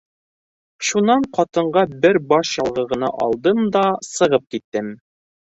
Шунан ҡатынға бер баш яулығы ғына алдым да сығып киттем.